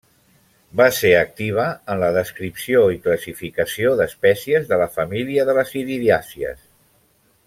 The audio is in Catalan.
Va ser activa en la descripció i classificació d'espècies de la família de les iridàcies.